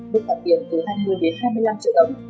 mức phạt tiền từ hai mươi đến hai mươi năm triệu đồng